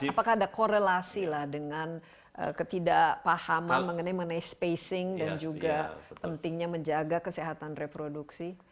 apakah ada korelasi lah dengan ketidakpahaman mengenai spacing dan juga pentingnya menjaga kesehatan reproduksi